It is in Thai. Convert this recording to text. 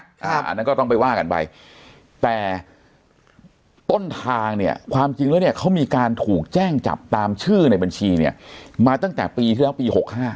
เพราะเออคือหรือผู้พลาดเนี่ยนะอันนั้นก็ต้องไปว่ากันไป๕๕๕๕แต่ป้นทางเนี่ยความจริงเลยเนี่ยเขามีการถูกแจ้งจับตามชื่อในบัญชีเนี่ยมาตั้งแต่ปีที่แล้วปี๖๕